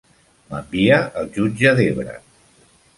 M'envia el jutge Debra.